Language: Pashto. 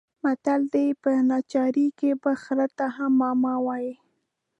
متل دی: په ناچارۍ کې به خره ته هم ماما وايې.